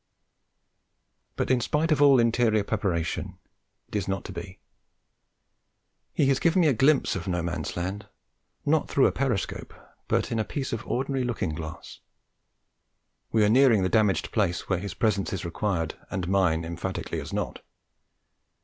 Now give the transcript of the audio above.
But, in spite of all interior preparation, it is not to be. He has given me a glimpse of No Man's Land, not through a periscope but in a piece of ordinary looking glass; we are nearing the damaged place where his presence is required and mine emphatically is not.